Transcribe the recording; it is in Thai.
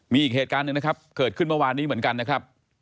มีอีกเหตุการณ์หนึ่งนะครับเกิดขึ้นเมื่อวานนี้เหมือนกันนะครับ